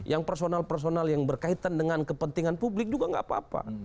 yang personal personal yang berkaitan dengan kepentingan publik juga nggak apa apa